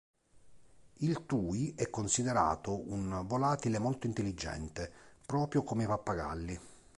Il tui è considerato un volatile molto intelligente, proprio come i pappagalli.